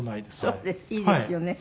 そういいですよね。